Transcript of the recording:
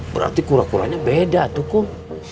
berarti kura kuranya beda tuh kum